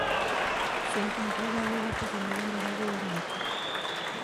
Se encuentra al lado de la estación de bomberos de Dominico.